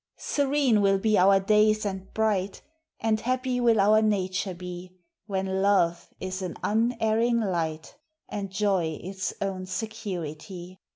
Serene will be our days and bright, And happy will our nature be, When love is an unerring light, And jov its own securitv.